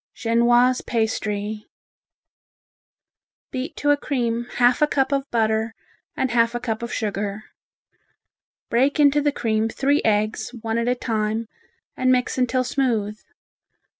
Genoise Pastry Beat to a cream half a cup of butter and half a cup of sugar. Break into the cream three eggs, one at a time, and mix until smooth.